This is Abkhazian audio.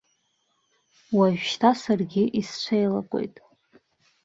Уажәшьҭа саргьы исцәеилагоит.